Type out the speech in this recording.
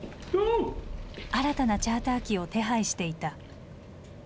新たなチャーター機を手配していた。